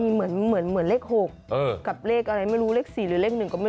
เหมือนเลข๖กับเลข๔หรือก